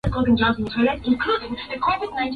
kinyume na hapo kama itaelekezwa vinginevyo